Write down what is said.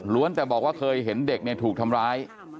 แต่บอกว่าเคยเห็นเด็กถูกทำร้าย